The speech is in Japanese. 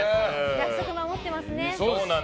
約束、守ってますね。